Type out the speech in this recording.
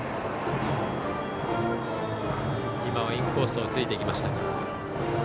今は、インコースをついていきましたが。